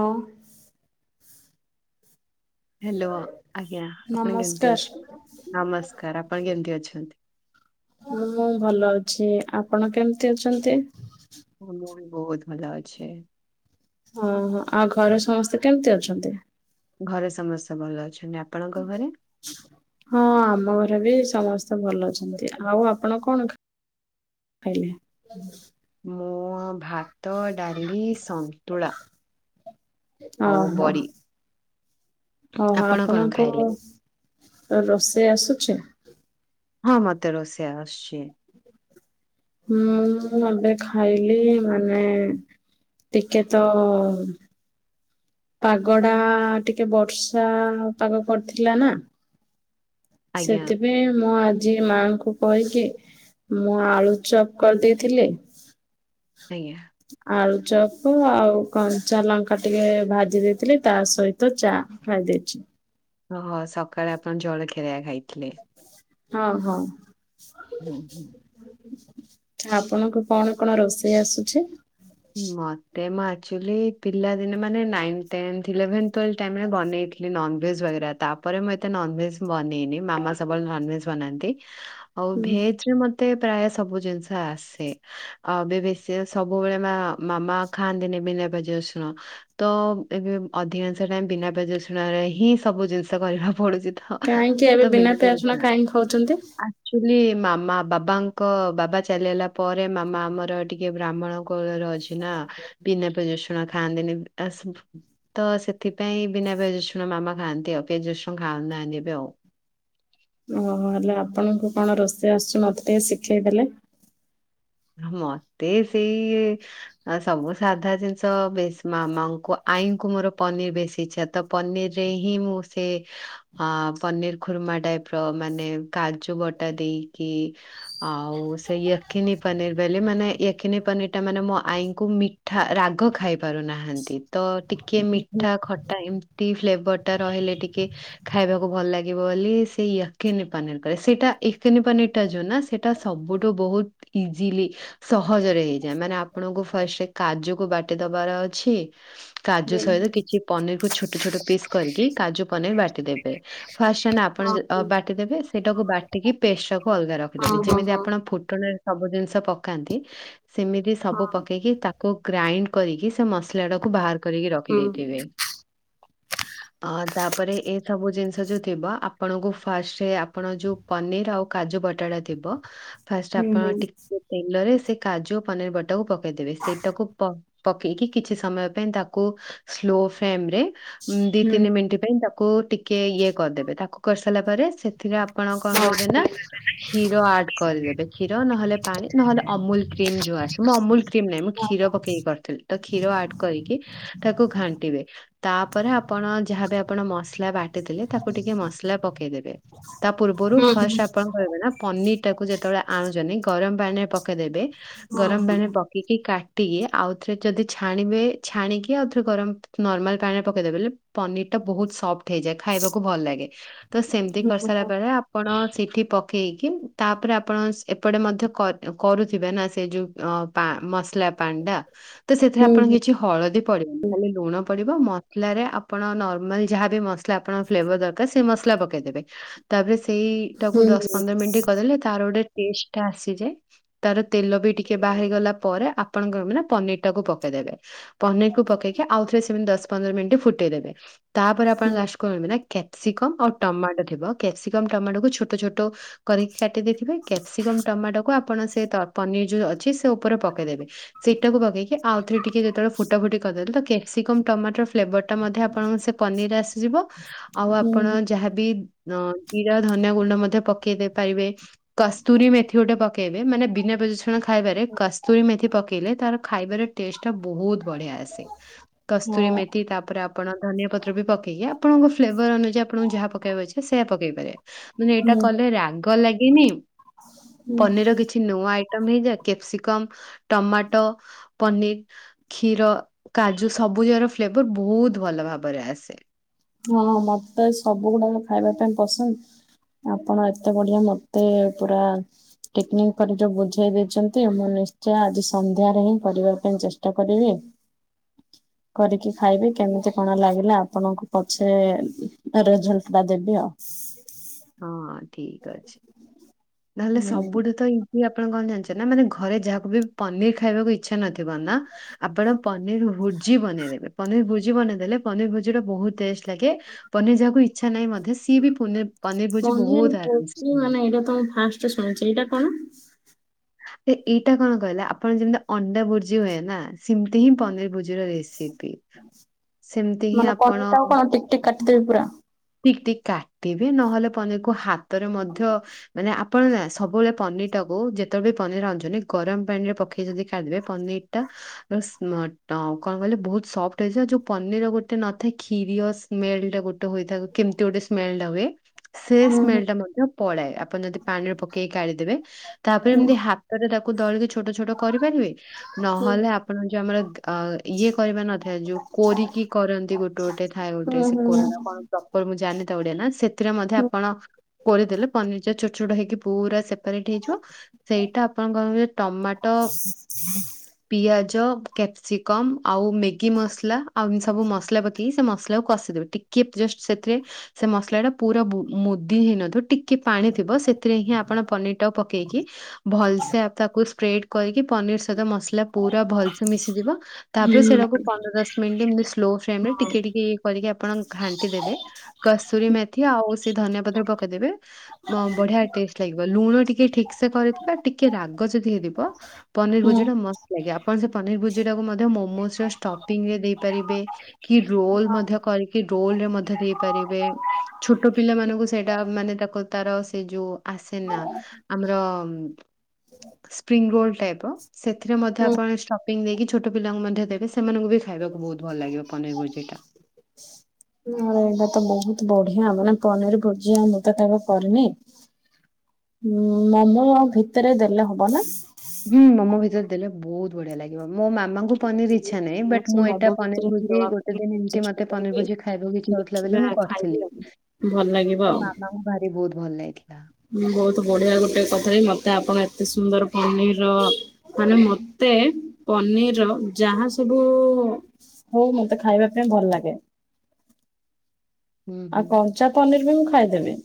ହୋଉ। ହେଲୋ ଆଜ୍ଞା ଆପଣ କେମିତି ନମସ୍କାର ଅଛନ୍ତି? ନମସ୍କାର ଆପଣ କେମିତି ଅଛନ୍ତି? ମୁଁ ଭଲ ଅଛି ଆପଣ କେମିତି ଅଛନ୍ତି? ମୁଁ ବି ବହୁତ ଭଲ ଅଛି। ଓ ହୋ ଆଉ ଘରେ ସମସ୍ତେ କେମିତି ଅଛନ୍ତି? ଘରେ ସମସ୍ତେ ଭଲ ଅଛନ୍ତି। ଆପଣଙ୍କ ଘରେ? ହଁ ଆମ ଘରେ ବି ସମସ୍ତେ ଭଲ ଅଛନ୍ତି। ଆଉ ଆପଣ କଣ ଖା ଖାଇଲେ। ମୁଁ ଭାତ ଡାଲି ସନ୍ତୁଳା। ଆଉ ଓହୋ ବଡି। ଓହୋ ଆପଣ କଣ ଆପଣଙ୍କୁ ଖାଇଲେ? ମୁଁ ରୋଷେଇ ଆସୁଛି? ହଁ ମତେ ରୋଷେଇ ଆସୁଛି। ମୁଁ ଏବେ ଖାଇଲି ମାନେ ଟିକେ ତ ପାଗଟା ଟିକେ ବର୍ଷା ପାଗ କରିଥିଲା ନା। ଆଜ୍ଞା ସେଥିପାଇଁ ମୁଁ ଆଜି ମାଙ୍କୁ କହିକି ମୁଁ ଆଳୁ ଚପ୍ କରିଦେଇଥିଲି। ଆଜ୍ଞା। ଆଳୁଚପ୍ କୁ ଆଉ କଞ୍ଚା ଲଙ୍କା ଟିକେ ଭା ଦେଇଥିଲି ତା ସହିତ ଚା ଖାଇ ଦେଇଛି। ଓହୋ ସକାଳେ ଆପଣ ଜଳଖିଆ ଖାଇଥିଲେ। ହଁ ହଁ। ହୁଁ ହୁଁ। ଆପଣଙ୍କୁ କଣ କଣ ରୋଷେଇ ଆସୁଛି? ମତେ ମୁଁ ଆକ୍ଚୁଆଲି ପିଲାଦିନେ ମାନେ ନାଇନ, ଟେନ୍ଥ ଇଲେଭେନେ ଟାଇମ୍ ରେ ବନେଇଥିଲି। ନନ୍‌ଭେଜ୍‌ ବାଗେରା ତାପରେ ମୁଁ ଏତେ ନନ୍‌ଭେଜ୍‌ ବନେଇନି ମାମା ସବୁବେଳେ ନନ୍ ଭେଜ ବନାନ୍ତି। ଆଉ ହୁଁ ଭେଜରେ ମତେ ପ୍ରାୟ ସବୁ ଜିନିଷ ଆସେ ବେଶୀ ସବୁବେଳେ ମାମା ଖାଆନ୍ତିନି ବିନା ପିଆଜ ରସୁଣ। ତ ଏବେ ଅଧିକାଂଶ ଟାଇମ୍ ବିନା ପିଆଜ ରସୁଣ ରେ ହିଁ ସବୁ ଜିନିଷ କରିବାକୁ ପଡୁଛି ତ। କାହିଁକି ଏବେ ବିନା ପିଆଜ ରସୁଣ କାହିଁକି ଖାଉଛନ୍ତି। ଆଚୁଲି ମାମା ବାବାଙ୍କ ବାବା ଚାଲିଗଲା ପରେ ମାମା ଆମର ଟିକେ ବ୍ରାହ୍ମଣ। କୋଳ ରେ ଅଛି ନା ବିନା ପିଆଜ ରସୁଣ ଖାଆନ୍ତିନି ଆସ। ତ ସେଥିପାଇଁ ବିନା ପିଆଜ ରସୁଣ ମାମା ଖାଆନ୍ତି ଆଉ ପିଆଜ ରସୁଣ ଖାଉ ନାହାନ୍ତି ଏବେ ଆଉ। ଓହୋ ହେଲେ ଆପଣଙ୍କୁ କଣ ରୋଷେଇ ଆସୁଛୁ ମତେ ଟିକେ ଶିଖେଇ ଦେଲେ। ମତେ ସେଇ ସବୁ ସାଧା ଜିନିଷ ବେଶୀ ମାମାଙ୍କୁ ଆଈଙ୍କୁ ମୋର ପନିର ବେଶୀ ଇଚ୍ଛା ତ ପନିରରେ ହିଁ ମୁଁ ସେ ହଁ ପନିର ଖୁର୍ମା ଟାଇପ୍ ର ମାନେ କାଜୁ ବଟା ଦେଇକି ଆଉ ସେଇୟ କିିନି ପନିରି ବୋଲି ମାନେ [unintelligible] ପନିରି ଟା ମାନେ ମୋ ଆଈଙ୍କୁ ମିଠା ରାଗ ଖାଇ ପାରୁନାହାଁନ୍ତି ତ ଟି କେ ହୁଁ ମିଠା ଖଟା ଏମତି ଫ୍ଲେଭର୍ ଟା ରହିଲେ ଟିକେ ଖାଇବାକୁ ଭଲ ଲାଗିବ ବୋଲି ସେ ୟକିନି ପାନିର କରେ ସେଇଟା ୟକିନି ପାନିର ଟା ଯୋଉ ନା ସେଇ ଟା ସବୁଠୁ ବହୁତ୍ ଇଜିଲି ସହଜରେ ହେଇଯାଏ, ମାନେ ଆପଣଙ୍କୁ ଫାଷ୍ଟ କାଜୁକୁ ବାଟି ଦବାର ଅଛି କାଜୁ ହୁଁ ସହିତ କିଛି ପନିରି କୁ ଛୋଟ-ଛୋଟ ପିସ୍ କରିକି କାଜୁ ପନିର ବାଟିଦେବେ। ଫାଷ୍ଟ [unintelligible] ଆପଣ ହଁ ବାଟିଦେବେ ସେଇଟାକୁ ବାଟିକି ପେଷ୍ଟ ଟାକୁ ଅଲଗା ରଖିଦେବେ ହଁ ଯେମିତି ହଁ ଆପଣ ଫୁଟଣ ସବୁ ଜିନିଷ ପକାନ୍ତି ସେମିତି ସବୁ ପକେଇକି ତାକୁ ଗ୍ରାଇଣ୍ଡ କରିକି ସେ ମସଲା ଟାକୁ ବାହା କରିକି ରଖି ହୁଁ ଦେଇେଥିବେ। ଅ ତାପରେ ଏ ସବୁ ଜିନିଷ ଯୋଉ ଥିବ ଆପଣଙ୍କୁ ଫାଷ୍ଟ ଆପଣ ଯୋଉ ପନିରି ଆଉ କାଜୁ ବଟାଟା ଥିବ ଫାଷ୍ଟ୍ ହୁଁ ହୁଁ। ତେଲରେ ସେ କାଜୁ ଓ ପନିରି ବଟାକୁ ପକେଇଦେବେ ସେଇଟାକୁ ପକେଇକି କିଛି ସମୟ ପାଇଁ ତାକୁ ସ୍ଲୋ ଫ୍ଲେମ୍ ରେ ଉଁ ଦି ହୁଁ ତିନି ମିନିଟ୍ ପାଇଁ ତାକୁ ଟିକେ ଇଏ କରିଦେବେ ତାକୁ କରିସାରିଲା ପରେ ସେ ଏଥିରେ ଆପଣ କଣ କରିବେ ନା କ୍ଷୀର ଆଡ୍ କରିଦେବେ। କ୍ଷୀର ନହେଲେ ପାଣି ନହେଲେ ଅମୁଲ କ୍ରିମ୍ ଯୋଉ ଆସେ ମୁଁ ଅମୁଲ କ୍ରିମ ନାହିଁ ମୁଁ କ୍ଷୀର ପକେଇକି କରିଥିଲି। ତ କ୍ଷୀର ଆଡ୍ କରିକି ତାକୁ ଘାଣ୍ଟିବେ। ତାପରେ ଆପଣ ଯାହାବି ଆପଣ ମସଲା ବାଟି ଥିଲେ ତାକୁ ଟିକେ ମସଲା ପକେଇଦେବେ। ତା ପୂର୍ବରୁ ଫାଷ୍ଟ ଆପଣ କହିବେ ନା ପନିରି ଟାକୁ ଯେତବେଳେ ଆଣୁଚନ୍ତିି ଗରମ୍ ପାଣି ରେ ପକେଇଦେବେ। ହଁ ଗରମ୍ ପାଣିରେ ପ କେଇକି କାଟିକି ଆଉ ଥରେ ଯଦି ଛାଣିବେ ଛାଣିକି ଆଉ ଥରେ ଗରମ୍ ନର୍ମାଲ ପାଣି ରେ ପକେଇଦେବେ ପନିରି ଟା ବହୁତ୍ ସଫ୍ଟ ହେଇଯାଏ ଖାଇବାକୁ ଭଲ ଲାଗେ। ତ ସେମ୍ତି ହଁ କରିସାରିଲା ହଁ। ବେଳେ ଆପଣ ସେଇଠି ପକେଇକି ତାପରେ ଆପଣ ଏପଟେ ମଧ୍ୟ କରୁଥିବେ ନା ସେ ଯୋଉ ପା ମସଲା [unintelligible] ତ ସେଥିରେ ହୁଁ ଆପଣ କିଛି ହଳଦୀ ପଡିବନି ଖାଲି ଲୁଣ ପଡିବ ମସଲାରେ ଆପଣ ନର୍ମାଲ ଯାହାବି ମସ ଲା ଆପଣଙ୍କ ଫ୍ଲେବର୍ ଦରକାର ସେ ମସଲା ପକେଇଦେବେ ତାପରେ ସେଇଟାକୁ ହୁଁ ଦଶ ପନ୍ଦର ମିନିଟ୍ କରିଦେଲେ ତାର ଗୋଟେ ଟେଷ୍ଟ ଟା ଆସିଯାଏ ତାର ତେଲ ବି ଟିକେ ବାହାରିଗଲା ପରେ ଆପଣଙ୍କର ମାନେ ପନିରି ଟାକୁ ପକେଇଦେବେ ପନିରିକୁ ପକେଇକି ଆଉଥରେ ସେମ୍ତି ଦଶ ପନ୍ଦର ମିନିଟ୍ ଫୁଟେଇଦେବେ ତାପରେ ଆପଣ ହଁ ଲାଷ୍ଟ [unintelligible] ନା କ୍ୟାପ୍ସିକମ୍ ଆଉ ଟମାଟୋ ଥିବ କ୍ୟାପ୍ସିକମ୍ ଟମାଟୋକୁୁ ଛୋଟ-ଛୋଟ କରିକି କାଟି ଦେଇଥିବେ କ୍ୟାପ୍ସିକମ୍ ଟମାଟୋକୁୁ ଆପଣ ସେ ପନିରି ଯୋଉ ଅଛି ସେ ଉପରେ ପକେଇଦେବେ ସେଇଟାକୁ ପକେଇ କି ଆଉ ଥରେ ଟିକେ ଯେତବେଳେ ଫୁଟାୁଫୁଟି କରିଦେବେ ତ କ୍ୟାପସିକମ୍ ଟମାଟର ଫ୍ଲେଭର୍ ମଧ୍ୟ ଆପଣଙ୍କ ସେ ପନିରି ଆସିଯିବ ଆଉ ଆପଣ ଯାହାବି ହଁ ଜିରା ଧନିଆ ଗୁଣ୍ଡ ମଧ୍ୟ ପକେଇ ଦେଇପାରିବେ କସ୍ତୁରୀ ମେଥି ଗୋଟେ ପକେଇବେ ମାନେ ବିନା ପ୍ରଦୂଷଣ ଖାଇବାରେ କସ୍ତୁରୀ ମେଥି ପକେ ପକେଇଲେ ତାର ଖାଇବାରେ ଟେଷ୍ଟ ଟା ବହୁତ୍ ବଢିଆ ଆସେ କସ୍ତୁରୀ ମେଥି ତା ପରେ [unintelligible] ଆପଣ ଧନିଆ ପତ୍ର ବି ପକେଇକି ଆପଣଙ୍କ ଫ୍ଲେଭର୍ ଅନୁଯାୟୀ ଆପଣଙ୍କୁ ଯାହା ପକେଇବା ଇଛା ସେ ପକେଇ ପାରିବେ। ମାନେ ଏଇଟା ହୁଁ କଲେ ରାଗ ଲାଗେନି ହଁ। ପନିରି ବି କିଛି ନୂଆ ଆଇଟମ୍ ହେଇଯାଏ କ୍ୟାପସିକମ୍ ଟମାଟୋ ପନିରି କ୍ଷୀର କାଜୁ ସବୁଜର ଫ୍ଲେବର୍ ବହୁତ୍ ଭଲ ଭାବରେ ଆସେ। ହଁ ମତେ [unintelligible] ସବୁ ଗୁଡାକ ଖାଇବା ପାଇଁ ପସନ୍ଦ। ଆପଣ ଏତେ ବଢିଆ ମତେ ପୁରା ଟିକିନିକି କରି ଯୋଉ ବୁଝେଇ ଦେଇଛନ୍ତି, ମୁଁ ନିଶ୍ଚୟ ଆଜି ସନ୍ଧ୍ୟାରେ ହିଁ କରିବା ପାଇଁ ଚେଷ୍ଟା କରିବି। [inaudible] କରିକି ଖାଇବି କେମିତି କଣ ଲାଗିଲା, ଆପଣଙ୍କୁ ପଛେ ରେଜଲ୍ଟ ଟା ଦେବି ଆଉ। ହଁ ଠିକ୍ ଅଛି, ନହେଲେ ହୁଁ ସବୁଠୁ ତ ଇଁ କି ଆପଣ କଣ୍ ଜାଣିଛେ, ନା ମାନେ ଘରେ ଯାହାକୁ ବି ପନିର୍ ଖାଇବାକୁ ଇଛା ନଥିବ ନାଁ ଆପଣ ପନିର୍ ଭୁଜି ବନେଇଦେବେ, ପନିର୍ ଭୁଜି ବନେଇଦେଲେ ପନିର୍ ଭୁଜି ଟା ବହୁତ୍ ଟେଷ୍ଟ୍ ଲାଗେ ପନିର୍ ଯାହାକୁ ଇଛା ନାହିଁ ମଧ୍ୟ, ସିଏ ବି ପୁନେ ପନିର ଭୋଜି ମାନେ ଏଇଟା ତ ମୁଁ ଫାଷ୍ଟେ ଶୁଣୁଚି, ଏଇଟା କଣ? ଏ ଏଇଟା କଣ କହିଲା, ଆପଣ ଯେମିତି ଅଣ୍ଡା ଭୁର୍ଜି ହୁଏ ନାଁ ସେମ୍ ତି ହିଁ ପନିର ଭୋଜିର ରେସିପି। ସେମିତି ହିଁ ମାନେ ପନିର୍ ଆପଣ ଟାକୁ କଣ ଟିକ୍ ଟିକ୍ କାଟିଦେବି ପୁରା? ଟିକ୍ ଟିକ୍ କାଟିବି, ନହେଲେ ପନିର୍ କୁ ହାତରେ ମଧ୍ୟ ମାନେ ଆ ପଣ ନାଁ ସବୁବେଳେ ପନିର୍ ଟାକୁ ଯେତେବେଳେ ବି ପନିର୍ ଆଣୁଚନ୍ତି, ଗରମ୍ ପାଣିରେ ପକେଇ ଯଦି କାଢିବେ ପନିର୍ ଟା ର ସ୍ମଟ କଣ୍ କହିଲେ ବହୁତ ସଫ୍ଟ ହେଇଯାଏ, ଯୋଉ ପନିର ଗୋଟେ ନଥାଏ କ୍ଷିରିୟସ୍ ସ୍ମେଲ୍ ଟା ଗୋଟେ ହୋଇଥାଏ, କେମ୍ ତି ଗୋଟେ ସ୍ମେଲ୍ଟା ହୁଏ। ସେ ହୁଁ ସ୍ମେଲ ଟା ମଧ୍ୟ ପଳାଏ, ଆପଣ ଯଦି ପାଣି ରେ ପକେଇକି କାଢିଦେବେ, ତାପରେ ଏମ୍ତି ହା ତରେ ତାକୁ ଦଳିକି ଛୋଟ ଛୋଟ କରିପାରିବେ? ହୁଁ ନହଲେ ଆପଣ ଯମାଁ ଦ୍ଅ ଇଏ କରିବା ନଥାଏ, ଯୋଉ କୋରିକି କରନ୍ତି ଗୋଟେ ଗୋଟେ ଥାଏ ଗୋଟେ ହୁଁ ହୁଁ ହୁଁ। ପ୍ରପର୍ ମୁଁ ଜାଣିନି ତା ଓଡିଆ ନା, ସେଥିରେ ମଧ୍ୟ ଆପଣ କୋରିଦେଲେ ପନିର୍ ଟା ଛୋଟ୍ ଛୋଟ୍ ହେଇକି ପୁରା ସେ ରେଡି ହେଇଯିବ, ସେଇଟା ଆପଣ କଁ ପକେଇଲେ ଟମାଟ ପିଆଜ, କ୍ୟାପ୍ସିକମ୍ ଆଉ ମେଗି ମସ୍ ଲା ଆଉ ଉଁ ସବୁ ମସ୍ ଲା ପ କି ସେ ମସ୍ଲା କୁ କଷିଦବେ, ଟିକି ଜସ୍ଟ ସେଥିରେ ସେ ମସ୍ଲା ଟା ପୁରା ବୁ ମୁଦି ହେଇନଥିବ, ଟିକେ ପାଣି ଥିବ, ସେଥିରେ ହିଁ ଆପଣ ପନିର୍ ଟା ପକେଇକି ଭଲସେ ଆ ତାକୁ ସ୍ପ୍ରେଡ୍ କରିକି, ପନିର୍ ସହିତ ମସ୍ଲା ପୁରା ଭଲ୍ସେ ମିଶି ଯିବ ତାପରେ ସେଇଟାକୁ ହୁଁ ପନ୍ଦର୍ ଦଶ୍ ମିନ୍ ଟି ଏମ୍ ତି ସ୍ଲୋ ଫ୍ରେମ୍ ରେ ଟିକେ ଟିକେ କରିକି ଆପଣ ଘାଣ୍ଟି ଦେବେ, କସୁରୀ ମେଥି ଆଉ ସେ ଧନିଆ ପତ୍ର ପକେଇଦେବେ। ହଁ ବଢିଆ ଟେଷ୍ଟ୍ ଲାଗିବ, ଲୁଣ ଟିକେ ଠିକ୍ ସେ କରିଥିବେ ଆଉ ଟିକେ ରାଗ ଯଦି ହେଇଥିବ ପନିର୍ ଭୁଜି ଟା ହୁଁ। ମସ୍ତ ଲାଗେ, ଆ ପଣ ସେ ପନିର୍ ଭୁଜି ଟାକୁ ମଧ୍ଯ୍ୟ ମୋମୋସ୍ ର ସ୍ଟପିଙ୍ଗ ରେ ଦେଇପାରିବେ, କି ରୋଲ୍ ମଧ୍ୟ କରି କି ରୋଲ ରେ ମଧ୍ୟ ଦେଇପାରିବେ, ଛୋଟ ପିଲା ମାନଙ୍କୁ ସେଇଟା ମାନେ ତାକୁ ତାର ସେ ଯୋଉ ଆସେ ନା ଆମର ସ୍ପ୍ରିଙ୍ଗ ରୋଲ ଟାଇପ୍ ସେଥିରେ ମଧ୍ୟ ଆପଣ ଷ୍ଟପିଂ ଦେଇକି ଛୋଟ ପିଲାଙ୍କୁ ମଧ୍ୟ ଦେବେ, ସେ ସେମାନଙ୍କୁ ବି ଖାଇବାକୁ ଭୋହୁତ୍ ଭଲ ଲାଗିବ ପନିର୍ ଭୋଜି ଟା। ନା ଏଇଟା ତ ବହୁତ୍ ବଢିଆ ହବନା, ପନିର୍ ଭୋଜି ଆଉ ମୁଁ ତ ତାକୁ କରିନି। ଉଁ ମୋମୋ ଭିତରେ ଦେଲେ ହବ ନାଁ? ହୁଁ ମୋମୋ ଭିତରେ ଦେଲେ ବୋହୁତ୍ ବଢିଆ ଲାଗିବ, ମୋ ମାମାଙ୍କୁ ପନିର୍ ଇଛା ନାହିଁ, ବଟ୍ ସେ ମୁଁ ମୋମୋ ଏଟା ଭିତରେ ହିଁ ପନିର୍‌ଭୋଜି ଦବା ଗୋଟେ ପାଇଁ ଦିନ୍ ଏମ୍ତି ଚେଷ୍ଟା ମତେ ପନିର୍ କରିବି। ଭୋଜି ଖଇବାକୁ ଇଛା ହଉଥି ଲା ଦେଖିବା ବୋଲି ମୁଁ ଖାଇବି କରିଥିଲି। ଆଉ ଭଲ ଲାଗିବ ତ ଆଉ ମାମାଙ୍କୁ ଭାରି ବହୁତ୍ ଭଲ ଲାଗିଥିଲା। ଉଁ ବହୁତ୍ ବଢିଆ ଗୋଟେ ସତରେ, ମତେ ଆପଣ ଏତେ ସୁନ୍ଦର ପନିର୍ ର ମାନେ ମତେ ପନିର୍ ର ଯାହା ସବୁ ଉ ଉ ହୋଉ ମତେ ଖାଇବା ପାଇଁ ଭଲ୍ ଲାଗେ‌। ହୁଁ ହୁଁ ଆଉ କଞ୍ଚା ପନିର୍ ବି ମୁଁ ଖାଇଦେବି।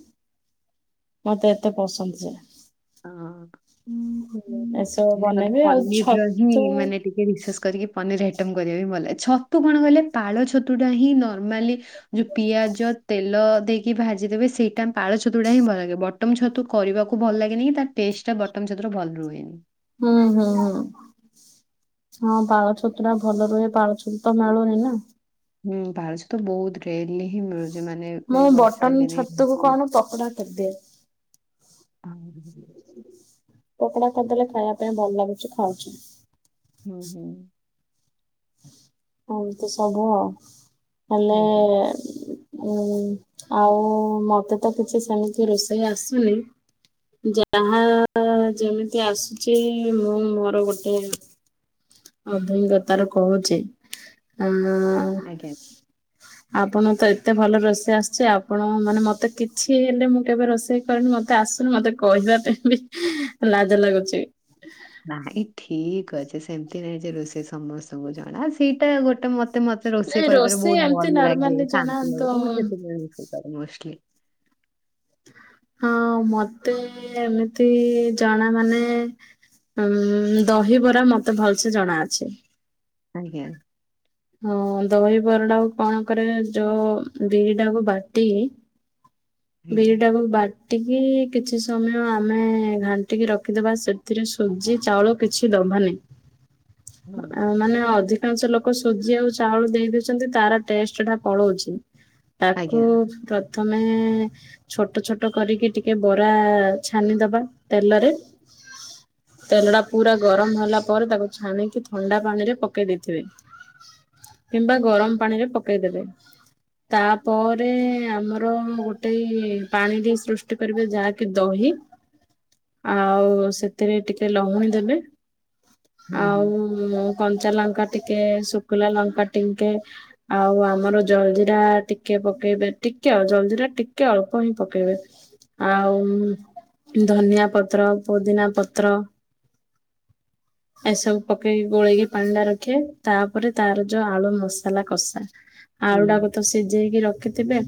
ମତେ ଏତେ ପସନ୍ଦ ସେରା। ହଁ ଏସବୁ ନାଁଇଁ ମାନେ ବନେଇବି ଆଉ ପନିର୍ ର ହିଁ ଛତୁ ମାନେ ଟି ଏ ରିସସ୍ କରିକି ପନିର୍ ଆଇଟମ୍ କରିବା ବି ଭଲାଗେ ଛତୁ କଣ କଈଲେ ପାଳ ଛତୁ ଟା ହିଁ ନର୍ମାଲି ଯୂ ପିଆଜ ତେଲ ଦେଇ କି ଭାଜି ଦେବେ ସେଇଟା ପାଳ ଛୁତୁଡା ହିଁ ଭଲାଗେ ବଟମ୍ ଛତୁ କରିବାକୁ ଭଲ୍ ଲାଗେନି କି ତା ଟେଷ୍ଟ ଟା ବଟମ୍ ସେତୁ ର ଭଲ୍ ରୁହେନି। ହୁଁ ହୁଁ। ହଁ ପାଳ ଛତୁରା ଭଲ ରୁହେ ପାଳ ଛତୁ ତ ମାଳୁନି ନାଁ ହୁଁ ଭାଜ ତ ବହୁତ ଡେରି ହିଁ ମିଳୁଛି। ମାନେ ମୁଁ ଏ ବର୍ଷା ବଟନ ଦିନେ ହୁଁ ଛତୁକୁ କଣ ପକୋଡା କରିଦିଏ। ପକଡା କରିଦେଲେ ଖାଇବା ପାଇଁ ଭଲ ଲାଗେ ସେ ଖାଉଛି। ହୁଁ ହୁଁ ଏମତି ସବୁ ଆଉ ହେଲେ ଆଜ୍ଞା [unintelligible] ଉୁଁ ଆଉ ମତେ ତ କିଛି ସେମିତି ରୋଷେଇ ଆସୁନି। ଯାହା ଯେମିତି ଆସୁଛି ମୁଁ ମୋର ଗୋଟେ ଅଧୁନ୍ଧତାର କହୁଛି ଆ ଆଜ୍ଞା। ଆପଣ ତ ଏତେ ଭଲ ରୋଷେଇ ଆସିଛି ଆପଣ ମାନେ ମତେ କିଛି ହେଲେ ମୁଁ କେବେ ରୋଷେଇ କ ମତେ ଆସନୁ ମତେ କହିବା ପାଇଁ ବି ଲାଜ ଲାଗୁଛି। ନା ଏଇ ଠିକ ଅଛି ସେମତି ନାଇଁ ଯେ ରୋଷେଇ ସମସ୍ତଙ୍କୁ ଜଣା ସେଇଟା ଗୋଟେ ମତେ ତେ ମତେ ରୋଷେଇ ନାଇଁ କରିବାରେ ବହୁତ ଏମିତି ଭଲ ଲାଗେ ନର୍ମାଲି ଜଣା ଶାନ୍ତି ଲାଗେ ତ ମୁଁ ସେଥିପାଇଁ ରୋଷେଇ କରେ ମୁସକିଲ। ହଁ ମତେ ଏମିତି ଜଣା ମାନେ ଉ ଦହିବରା ମତେ ଭଲସେ ଜଣା ଅଛି। ଆଜ୍ଞା। ହଁ ଦହିବରଟାକୁ କଣ କରେ ଯୋଉ ବିରିଟାକୁ ବାଟି କି? [inaudible] ବିରିଟାକୁ ବାଟିକି ବାଟିକି କିଛି ସମୟ ଆମେ ଘାଣ୍ଟିକି ରଖିଦେବା ସେଥିରେ ସୁଜି ଚାଉଳ କିଛି ଦେବାନି। [inaudible] ହୁଁ ଆ ମାନେ ଅଧିକାଂଶ ଲୋକ ସୁଜି ଆଉ ଚାଉଳ ଦେଇଦଉଛନ୍ତି ତାର ଟେଷ୍ଟ ଟା ପଳଉଛି ତାକୁ ଆଜ୍ଞା ତମେ? ଛୋଟ ଛୋଟ କରିକି ଟିକେ ବରା ଛାଣିଦବା ତେଲରେ। ତେଲ ଟା ପୁରା ଗରମ ହେଲା ପରେ ତାକୁ ଛାଣିକି ଥଣ୍ଡା ପାଣି ରେ ପକେଇ ଦେଇତେ ହୁଏ। କିମ୍ବା ଗରମ ପାଣି ରେ ପକେଇଦେବେ। ତାପରେ ଆମର ଗୋଟେ ପାଣିଟି ସୃଷ୍ଟି କରିବେ ଯାହାକି ଦହି [inaudible] ଆଉ ସେଥିରେ ଟିକେ ଲହୁଣୀ ଦେବେ। ହୁଁ ହୁଁ ଆଉ କଞ୍ଚା ଲଙ୍କା ଟିକେ ଶୁଖିଲା ଲଙ୍କା ଟିକେ ଆଉ ଆମର ଜଲଦଜିରା ଟିକେ ପକେଇବେ ଟିକେ ଆଉ ଜଲଦଜିରା ଟିକେ ଅଳ୍ପ ହିଁ ପକେଇବେ। ଆଉ ଧନିଆ ପତ୍ର ପୋଦିନା ପତ୍ର। ଏସବୁ ପକେଇକି ଗୋଳେଇକି ପାଣି ଟା ରେ ରଖିବେ। ତାପରେ ତାର ଯୋଉ ଆଳୁ ମସଲା କଷା ଆଳୁ ଟାକୁ ତ ସିଝେଇକି ରଖିଥିବେ।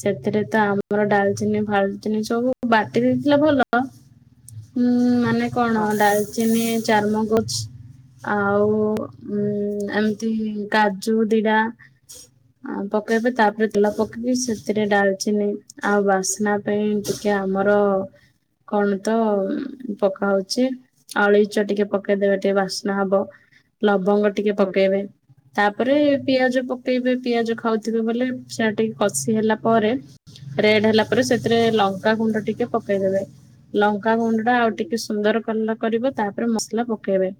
ସେଥିରେ ତ ଆମର ଡାଲଚିନି ଫାଲଚିନି ସବୁ ବାଟି ଦେଇଥିଲା ଭଲ। ହୁଁ ମାନେ କଣ ଡାଲଚିନି ଚାରମଗଛ ଆଉ ଏମିତି କାଜୁ ଦିଟା। ଆଁ ପକେଇବେ ତାପରେ ତେଲ ପକେଇକି ସେଥିରେ ଡାଲଚିନି ଆଉ ବାସ୍ନା ପାଇଁ ଟିକେ ଆମର କଣ ତ ପକା ହଉଛି ଅଳେଇଚ ଟିକେ ପକେଇଦେବେ ଟିକେ ବାସ୍ନା ହବ ଲବଙ୍ଗ ଟିକେ ହୁଁ ହଁ ହୁଁ ପକେଇବେ ତାପରେ ପିଆଜ ପକେଇବେ ପିଆଜ ଖାଉଥିବେ ବୋଲି ସେଟା ଟିକେ କଷି ହେଲା ପରେ ରେଡ୍ ହେଲା ପରେ ସେଥିରେ ଲଙ୍କାଗୁଣ୍ଡ ଟିକେ ପକେଇଦବେ ଲଙ୍କା ଗୁଣ୍ଡ ଆଉ ଆଜ୍ଞା ଟିକେ ସୁନ୍ଦର କଳର କରିବେ ତାପରେ ମସଲା ପକେଇବେ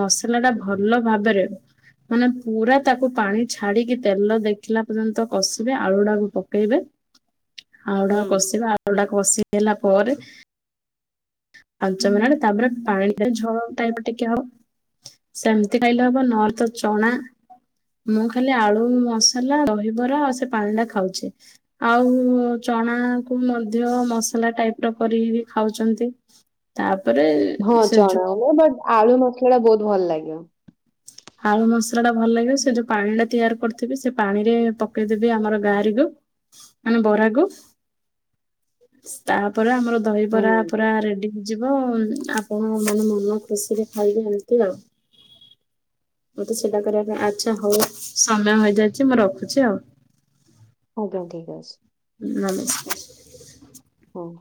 ମସଲା ଟା ଭଲ ଭାବରେ ମାନେ ପୁରା ତାକୁ ପାଣି ଛାଡିକି ତେଲ ଦେଖିଲା ପର୍ଯ୍ୟନ୍ତ କଷିବେ ଆଳୁଡାକୁ ପ ପକେଇବେ ଆଳୁଟା ହୁଁ କଷି ବେ ଆଳୁ କଷି ଦେଲା ପରେ ପାଞ୍ଚ ମିନିଟ ହୁଁ, ତାପରେ ହୁଁ। ପାଣିରେ ଝଳ ଟାଇପ ଟିକେ ହବ ସେମ ଏତେ ଖାଇଲେ ହବ ନହେଲେ ତ ଚଣା ମୁଁ ଖାଲି ଆଳୁ ମସଲା ଦହିବରା ଆଉ ସେ ପାଣିଟା ଖାଉଛି। ଆଉ ଚଣାକୁ ମଧ୍ୟ ମସଲା ଟାଇପର କରିକି ଖାଉଛନ୍ତି। ତାପରେ ହଁ ସେ ଚଣା ଯୋଉ ବଟ୍ ଆଳୁ ମସଲାଟା ବହୁତ ଭଲ ଲାଗିବ। ଆଳୁ ମସଲାଟା ଭଲ ଲାଗିବ ସେ ଯୋଉ ପାଣିଟା ତିଆରି କରିଥିବି ସେ ପାଣିରେ ପକେଇଦେବି ଆମର ଗାଁହାରିକୁ ମାନେ ବରାକୁ ତାପରେ ଆମର ହୁଁ ଦହିବରା ପୁରା ରେଡି ହେଇଯିବ ଆପଣମାନେ ମନ ଖୁସିରେ ଖାଇବେ ଏମତି ଆଉ। ମତେ ସେଇଟା କରିବା ପାଇଁ ଆଚ୍ଛା ହଉ ସମୟ ହେଇଯାଇଛି ମୁଁ ରଖୁଛି ଆଉ। ହଉ ଥାଉ ଠିକ୍ ଅଛି। ନଲେଜ ହଉ